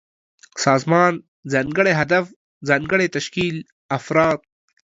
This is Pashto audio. سازمان: ځانګړی هدف، ځانګړی تشکيل ، افراد